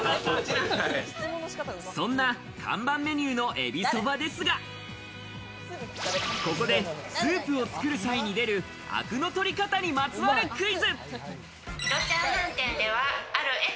そんな看板メニューのエビそばですが、ここで、スープを作る際に出るアクの取り方にまつわるクイズ。